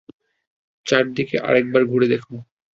চারিদিকে আরেকবার ঘুরে দেখো।